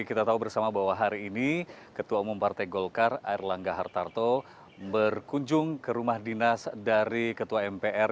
kita tahu bersama bahwa hari ini ketua umum partai golkar air langga hartarto berkunjung ke rumah dinas dari ketua mpr